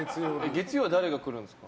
月曜は誰が来るんですか？